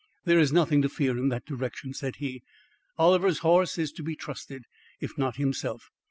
"There is nothing to fear in that direction," said he. "Oliver's horse is to be trusted, if not himself.